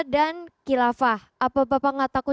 dan kilafah apa bapak gak takut